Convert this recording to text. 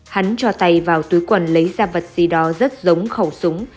hắn cho tay vào túi quần lấy ra vật gì đó rất giống khẩu súng